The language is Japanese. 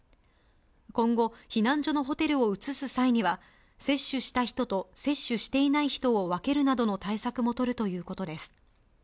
今後、避難所のホテルを移す際には、接種した人と接種していない人を分けるなどの対策も取るということです。